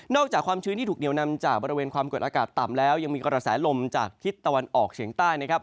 อกจากความชื้นที่ถูกเหนียวนำจากบริเวณความกดอากาศต่ำแล้วยังมีกระแสลมจากทิศตะวันออกเฉียงใต้นะครับ